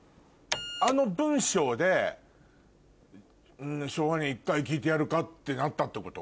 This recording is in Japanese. あの文章でしょうがねえ一回聴いてやるかってなったってこと？